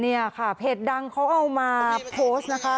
เนี่ยค่ะเพจดังเขาเอามาโพสต์นะคะ